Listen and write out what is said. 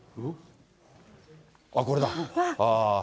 あっ、これだ。